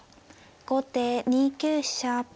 後手２九飛車。